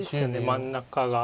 真ん中が。